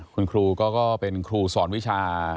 คุณครูก็เป็นครูสอนวิชา